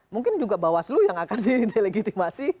mungkin juga bawaslu yang akan didelegitimasi